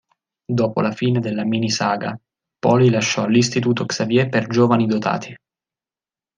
Dopo la fine della mini-saga, Paulie lasciò l'Istituto Xavier per giovani dotati.